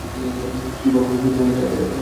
ফেজি বাবু আপনি বুঝতে পারছে না, এটা মেয়েদের স্কুল।